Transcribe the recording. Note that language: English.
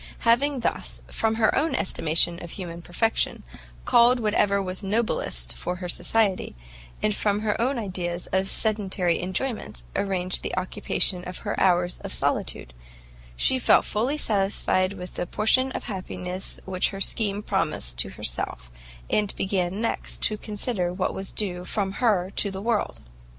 Having thus, from her own estimation of human perfection, culled whatever was noblest for her society, and from her own ideas of sedentary enjoyments arranged the occupations of her hours of solitude, she felt fully satisfied with the portion of happiness which her scheme promised to herself, and began next to consider what was due from her to the world.